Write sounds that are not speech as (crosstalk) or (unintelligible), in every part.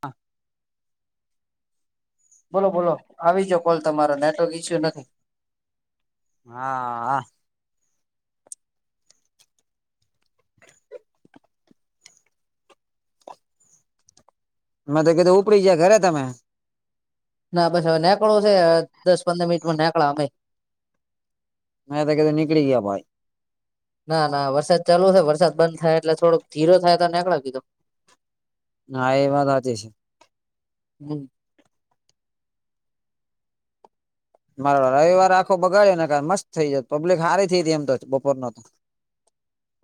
હા બોલો બોલો આવી ગયો કોલ તમારા નેટવર્ક ઈસ્યુ નથી હા આ મેં તો કીધું ઉપડી ગયા ઘરે તમે ના બસ હવે નેકડો છે દસ પંદર મિનિટ માં નેકડા અમે મેં તો કધું નીળી ગયા ભાઈ ના ના વરસાદ ચાલુ છે વરસાદ બંધ થાય એટલે થોડોક ધીરો થાય તો નેકળાવ કીધો હા એ વાત હાચી છે હમ્મ. મારો રવિવાર આખો બગાડી નાંખે મસ્ત થઈ જાત પબ્લિક હારી થઈ હતી એમ બપોરનો તો (inaudible)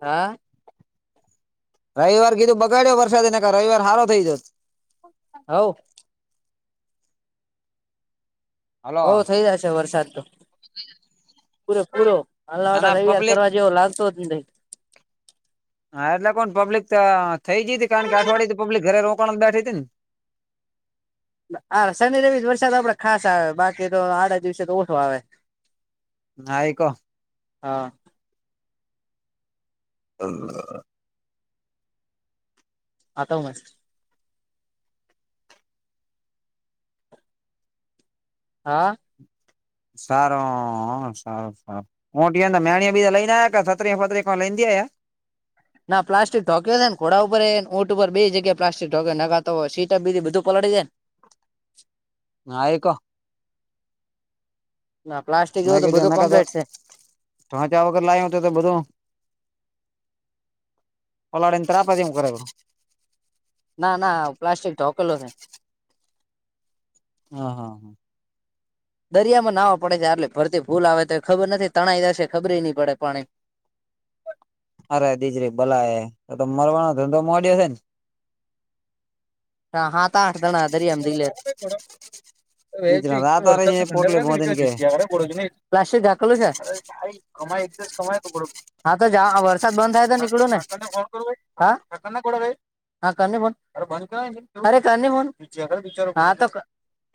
હા રવિવાર કીધું બગાડ્યો વરસાદ એ નકર રવિવાર હારો થઈ જાત હવ હલો હો થઈ જાય છે વરસાદ તો પૂરે પૂરો અને અલર્ટ તૈયાર પબ્લિક કરવા જેેવો લાગતો જ નથી હા એટલે કોણ પબ્લિક તો થઈ ગઈ તી કારણ કે અઠવાડય તો પબ્લિક ઘરે રોકાણ બેઠી હતી ને આ શનિ રવિ જ વરસાદ આપડે ખાસ આવે બાકી તો આડા દિવસે તો ઓછો આવે હા એ તો હા (unintelligible) આ તો મસ્ત હા સારું સારું સારું (unintelligible) બી લઈને આ્યા કે સત્રી ફત્રી (unintelligible) આયા ના પ્લાસ્ટિક ઢોક્યો છે ને ઘોડા ઉપર એને ઊટ ઉપર બે જગ્યા પ્લાસ્ટિક ઢોક નખાતો સીટ બીટ બધું પલળડી જાયને (unintelligible) ના પ્લાસ્ટિક એવું તો બધું કમ્પ્લીટ છે પહોંચ્યા વગર લાયો હતો તો બધું. પલાળીણ ત્રાસા જેઉ કરાયવો ના ના પ્લાસ્ટિક તો હૂકેલો છે હા હા દરિયા માં નાહવા પડે છે એટલે ભરતી ફુલ આવે તો ખબર નથી તણાઈ જશે ખબરી નહી પડે પાણી અરે દીજરી ભલાય તો મરવાનો ધંધો મોડ્યો છે ને? હા હા તો આઠ જણા દર આમ દી લ. વ એક બીચના તો રાતા વરસાદ રહી પોટલી મોદીને કે નાડકા પ્લાસ્ટખલો છે. હાઈ કમા એકદ જ કમાય તો બડ હા તો જ વરસાદ બંધ થાય તો નીકળું ને. હા કરનંધય અરે કરન હા તો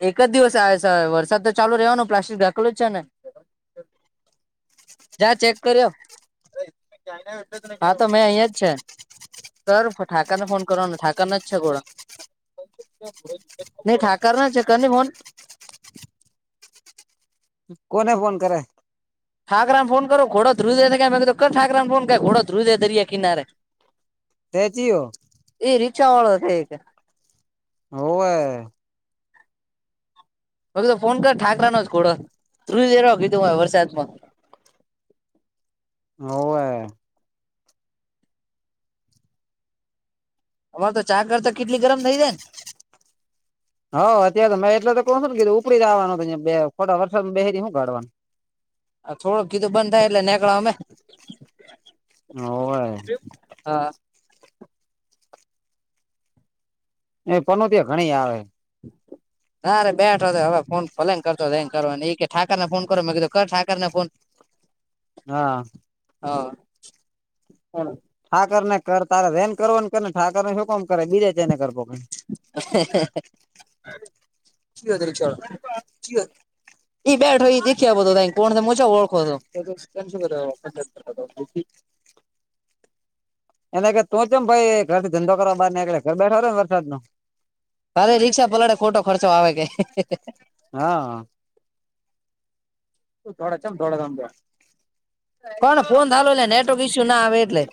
એક જ દિવસ આવે છે વરસાદ તો ચાલુ રહેવાનો પ્લાસ્ટિકઢાખલો જ છે ને. (inaudible) જા ચેક કરિ આવ. હા તો મેં અહિયાં જ છે, કર ઠાકર ને ફોન કરવાનો ઠાકરને જ છે ઘોળ. નહી ઠાકર ના ચક્કર નહી ફોન. કોને ફોન કરે? ઠાકરાને ફો કરો ઘો ધ્રવ દ ને ઠાકરાને ફોન ઘો ધ્રુ દે દરિયા કનારે. સચીયો. એ રી ચાવળગ (unintelligible) ઓવે. હ તો ફોન કર ઠાકરા નો જ ખોડો, ધ્રુજેર કીધું હો વરસાદમાં. ઓ હ. અમાર તો ચા કરતા કેટલી ગરમ થઇ જાય ને. હવ અત્યારે તો મેં એટલે તો કોણ શ ને કીધું ઉપડી જ આવવાનુંં ખોટ વરસાદ બેહેરી શું કાઢવાનું. આ થોડુંક કીધું બંધ થાય એટલે નીકળ અમે. હોવે. હા. એ પનો ત્યા ઘણી આવે આવે. (inaudible) નારે બેઠો હવે ફોન ભલે કરતો કરવા એ કે ઠાકરને ફોન કરો મેં કીધું કર ઠાર ને ફોન. હા. હા, કોણ? ઠાકર ને કર તારે રેન કરવા કર ને ઠારને શું કોમ કરે બીજે ચે ને કર. યો ત ચ (unintelligible) ઈ બેઠો એ દેખ્યા બધો ત કોણ મોચા ઓળખો હતો શ. (unintelligible) એને તું છેમ ભાઈ ઘર ધંધો કરવા બાર આળે ઘર બેઠો ને વરદો. તારે રિક્ષા પલાડે ખોટો ખર્ચો આવે કે. હા. થોડા છેમ થોડા જમ, કોણ ફોન નાાલો નેટવર્ક ઈસ્યુ ના આવે એટલે.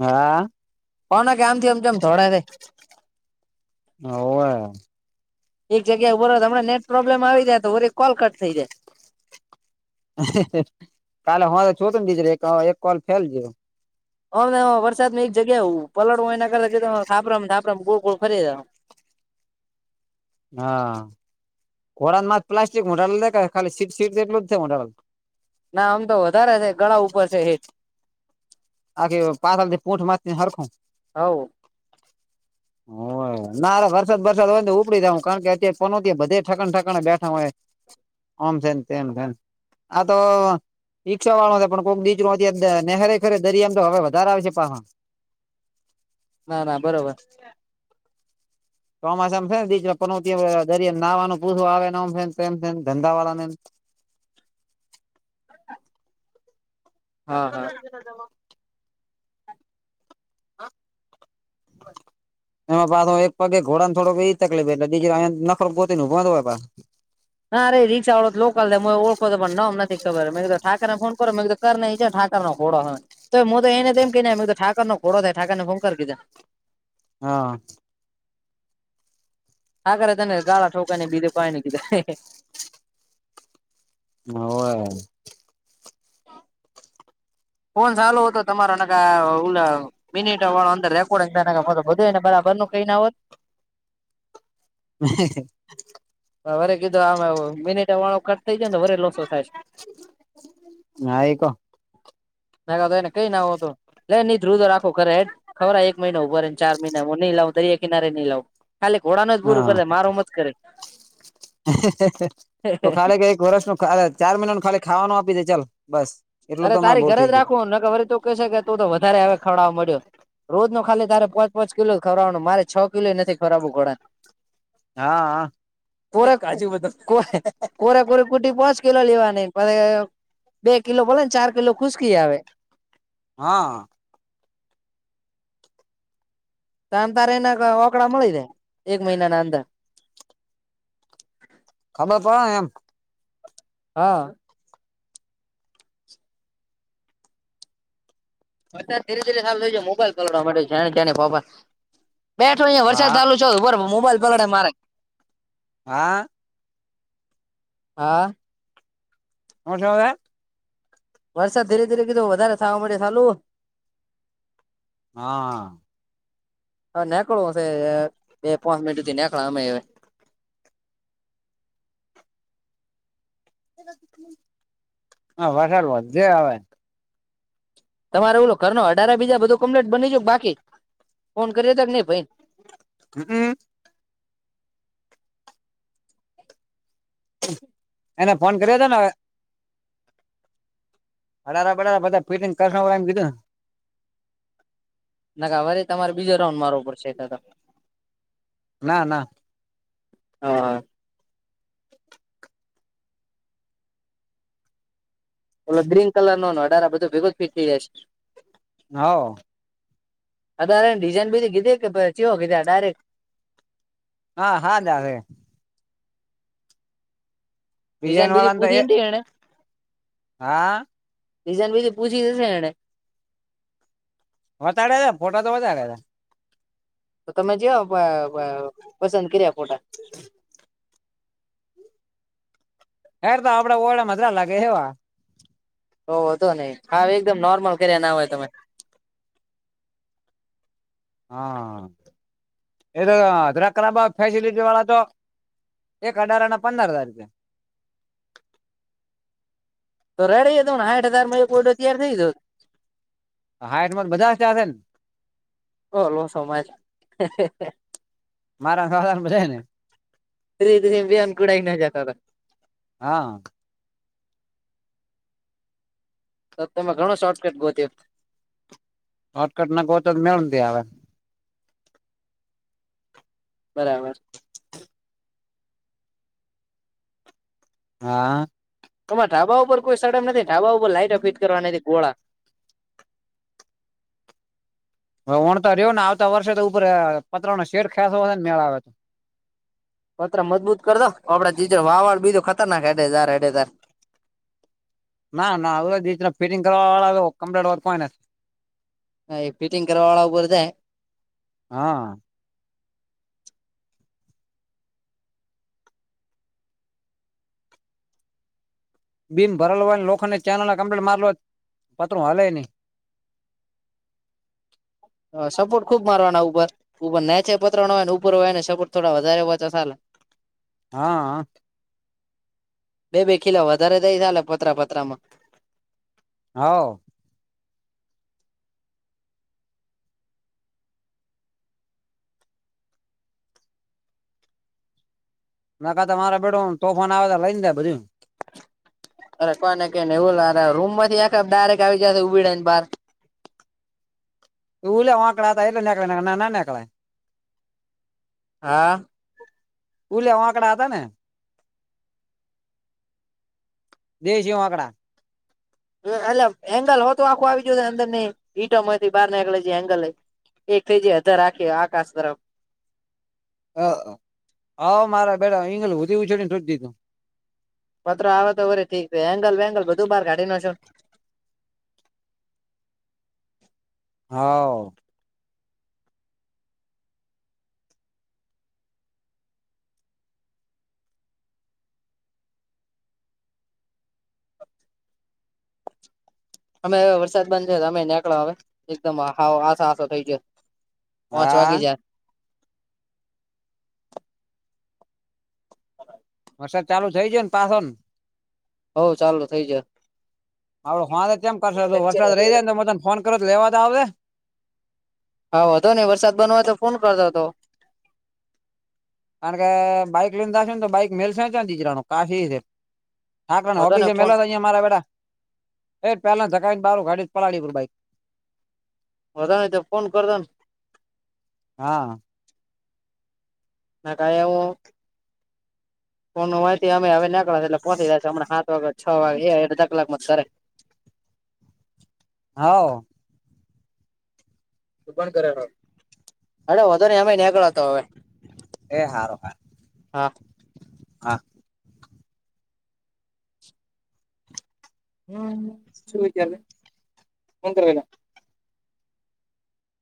હા. કો ના કે આમથીમજમ થોડા. હોવે એક જગ્યા બરો હમનેટ પ્રોબ્લેમ આવી જાય તોરે કોલ કટ થઈ જાય. કાલે હ તો છું તો નેડીજર એક કોલ ફેલ જેયો. હમને વરસાદ નની એક જગ્યા હું પલળવું એના કરતા થાપરમ થાપરમ ગોળ ગોળ ફરી હા, કોર માં પ્લાસ્ટિક મોલ દેખ ખાલી સીટ સીટટલું જ થાય મોલ. ના આમ તો વધારે છે ગળા ઉપર છે એજ. આખી પાથળથી પૂંટ માચને સરખું. હ. હ. ના અરે વરસાદ વરસાદ હોય ને ઉપડી જું કારણ કે અત્યારે પનો ત્યા બધે ઠકન ઠકકા બેઠા હોય. આમ છે તેમમ છે. આ તો રિકષા વાળો પણ કોક બીચ ન નહેરે ખરે. દર એમ તો હવે વધારે આવશે પાહા. ના ના બરોબર. ચોમાસામ છે ને દરિયા નાવાનું પૂર આવેન આમ હે તેમ છે ધંધાવાળને. હા હા. (unintelligible) (unintelligible) એમાં પાો એક પગે ઘોડા ને થોડો એ તકલીફ એટલે બીજ નખરૂ પોતીન ઉભોજ હોય પાછો. ના રે રીષા વાળો લોકલ ઓળખો પણ નોમ નથી ખબરં મે કીધું ઠાકરને ફોન કરો મે ઠાકરનો ઘોડો હ, તો હુતો એને એમ કઈ ને ઠાકરનો ઘોડો જાય ઠાકરનેં ફોન કર કીધુ. હા. હા ઠાકરે તને ગાળા ઠોકાઈ ને બીજે પાણી ને કીધા. (unintelligible) (unintelligible) ફોન ચાલુ હતો તમારો નકર ઓલા મિનિટ વાળો અંદર રેટ ઓડકતા નકર હૂતો બધુ એને બરાબર નુ કઈ ના હોત. (unintelligible) વરે કીધું આમ મનિટ વાળો થઈ જાયને વરે લોસો થાય છે. હા એ કો નાકર તો એને કઈન નાવ હોતું. લઈ નહી ધ્રુતો રાખો ખરે હે ખવરાવ એક મહિનો ઉભરય ને ચાર મહિના હું નઈં લાવું દરિયા કિનારે નઈ લાવું. ખાલી ઘોડાનું જ પૂરું હા કરે મારું મત કરે. તો ખાલી ક એક વર્ષ નુ ચાર મહિના નું ખાલી ખાવાનું આપી દે ચલ બસ. એટલું તો અરે અમારે તારી બહુ થઇ ઘરેજ ગયું રાખવું નકર વરી તુ કઈસે કે તું તો વધારે હ ખવડાવ મળ્યો. રોજ નો ખાલી તારે પાંચ પાંચ કિલો ખરવાનું મારે છ કિલો નથી ખરવાવું ઘોડા. હા હા. કોરાક કાજુ બધું કો કોરાક કોરક કુટી પોચ કિલો લેવાની પહી કિલો બોલે ને ચાર કિલો ખુશકી આવે. હમ્મ. તમ તારે એના રોકડા મળી જાય, એક મહિના ની અંદર. ખબર પડે એમ. હ. વરસાદ ધીરે ધીરે ચાલુ થય ગયો મોબાઈલ પલડવા માડે છેને, બેઠોયા વરસાદ હા ચાલુ ચાલુ મોબાઈલ પલળે મારે. હા. હા. હુ જોવે? વરસાદ ધીરે ધીરે કીધું વધારે થવા માડે ચાલું. હા. હા નાનેકળું હશે બે પાંચ મિનટ સુથી નેકળા અમે. હા વધાર અવાજ જે આવે. તમારે ઓલો ઘરનુ હદારા બીજા બધું કમ્પ્લેટ બની જઉ બાકી? ફોન કરીયો તો કે નઈ ભઈ? (unintelligible) એને ફોન કર્યો હતો ને હવે. અડાળા બડારા બધા ફટંગ કરશ એમ કીધું. ના હવારે તમારે બીજો રાઉન્ડ મારો ઉપર છે. ના ના હા. એલો ગ્રીન કલર નો અઢાર બધુ ભેગો જ ફીટ થઈ જશે. હા. અત્યારે ડિઝાઈન બધી કીધી કે પછી કીધા ડાયરેક્ટ. હા હાજ આવે. ડિઝાઇન ડિઝાન બધી વાળા ને તો એ પૂછી એને. હા. રીઝન બી પૂછી જશે એને. વટારે છે ફોટા તો વધારેે છે. તો તમે જોઓ વ વ પસંદ કર્યા ફોટા? (inaudible) યાર તો આપણા (unintelligible) લાગે હેવા. તો વાંધો નહી હા એકદમ નોર્મલ કર્યા ના હોય તમે. હા, એ તો (unintelligible) ફેસિલીટી વાળા તો એક અઢાર ના પંદર હજાર રૂપિયા. તો (unintelligible) હજાર માં કોડો તયાર થઈ દો. હાઈટમાં બધા ચ્યા છે ને? ઓ રૂમ સમાજ. મારા સસરા બધાએ ને. બેસી બેસી અનકુડાઈ ને જતાતા. હા. તો તમે ઘણો શોર્ટકટ ગોત્યું. શોર્ટકટ ન ગોતો તો મેડ ક્યાંથી આવે. બરાબર. હા. તમારે ઢાબા ઉપર કોઈ સડમ નથી ઢાબા ઉપર લાઈટ ફીટ કરવાના નથી ગોળા. હવે વણતા રહ્યો ને આવતા વર્ષે તો ઉપર પતરા ઉપર નો શેઠ ખાને મેળ આવે. પતરા મજબૂત કરી દો આપડા ચીજર વાળ બીધું ખતરનાક હેડે જા હેડે જા. ના ના હવે ફિટિંગ કરવા વાળા કમ્લેટત હોયને. હ એ ફિટિંગ કરવાવાળા ઉપર. હા. બીમ ભરલ હોયને લોકોખ ને માર પત્રું હા નઈ. હ, સપોર્ટ ખુબ મારના ઉપર ઉપર નેચે પતરા હોય ઉપર હોય ને સપોર્ટ થોડા વધારે હોછ સલે. હા. બે બે કિલા વધારે દઈ ચાલે પતરા પતરા માં. હા. ના કતા તમારે બેડો તોફાન આવે તો લઈને જાય બધું. અરે કોઈને એવું રૂમ માંથી ડાયરેક આવી જશે ઉડા ને બાર. ઉલે વાવાકડા હતા એટલે નેક નાનેકળ. હા. ઉલ આકડા હતા ને, દેશ આકડા. અલા એટલે એંગલ હો તો આખું આવી જય અંદર ની ઇંટો માંથી બહાર જે એંગલ એક થઈ જ ધાર રાખી આકાશ તરફ અ મારા બેડા અહી ગધી ઉછોડી ને તો દીધું પતરા આવે તો વળી ઠીક એંગલ વેંગલ બધું બહાર કાઢી છું હા અમે હ વરસાદ બાંધશે તો અમે નીકળો હવે એકદમ આછો આછો થઈ ગયો પાંચ હા વાગે જાય (inaudible) વરસાદ ચાલુ થઈ ગયું પાછું હવ ચાલુ થઇ જ હડ હા તો કેમ કરશે વરસાદ રહી જાય ને મેં તને ફોન કરો લેવા તો આવે જે હા હતો ને વરસાદ બનવાય તો ફોન કરતો હતો કારણ કે બાઈક લીશે તો બાઈક મેલસે તિજરાનું કાફી છે. હા કરને વધો ને ઓફિસે ફોન મેલાતા અયા મારા વેડા એજ પેલા જગાવ બાર ગાડી જ પડી બાઇક (unintelligible) તો ફોન કરદો ને હા (unintelligible) ફોનનું માહિતી અ હવે નીકળી એટલે પહોંચી જ છેમણા સાત વાગે છ વાગે એ અધ કલાકમાં જ ઘરે હા પણ કરેલો અડ વધો ને એમેય નીકળતો હવે એ હાર હા હા હા હમ શું વિચાર્યું (unintelligible)